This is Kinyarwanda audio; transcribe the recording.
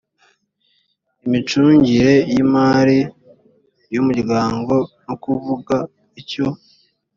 imicungire y imari y umuryango no kuvuga icyo